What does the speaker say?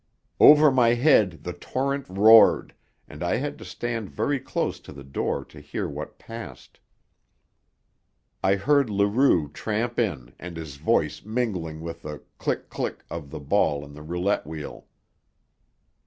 Over my head the torrent roared, and I had to stand very close to the door to hear what passed. I heard Leroux tramp in and his voice mingling with the click click of the ball in the roulette wheel.